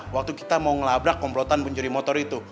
waktu kita mau ngelabrak komplotan pencuri motor itu